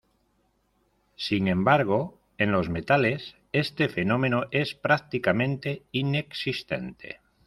Sin embargo, en los metales, este fenómeno es prácticamente inexistente.